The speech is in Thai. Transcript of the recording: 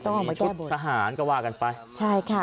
ต้องเอามาแก้บน